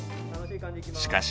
しかし。